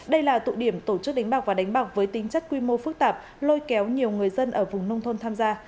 đây là tụ điểm tổ chức đánh bạc và đánh bạc với tính chất quy mô phức tạp lôi kéo nhiều người dân ở vùng nông thôn tham gia